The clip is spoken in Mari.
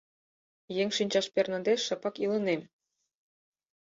Еҥ шинчаш перныде, шыпак илынем.